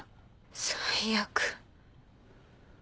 最悪。